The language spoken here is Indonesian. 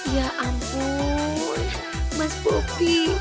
ya ampun mas bopi